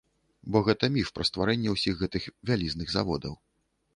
Бо гэта міф пра стварэнне ўсіх гэтых вялізных заводаў.